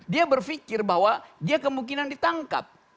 dia berpikir bahwa dia kemungkinan ditangkap